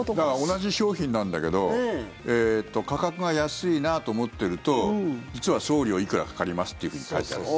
同じ商品なんだけど価格が安いなと思ってると実は、送料いくらかかりますと書いてあると。